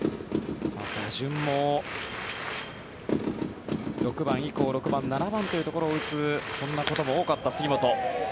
打順も６番以降７番というところを打つそんなことも多かった杉本。